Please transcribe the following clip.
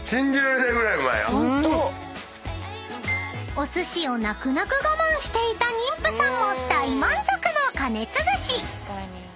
［お寿司を泣く泣く我慢していた妊婦さんも大満足の加熱寿司］